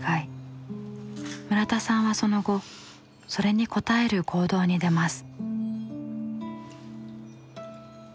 村田さんはその後それに応える行動に出ます。